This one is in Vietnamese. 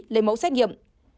lấy mẫu xét nghiệm